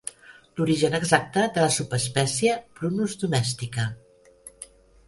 L'origen exacte de la subespècie "Prunus domestica".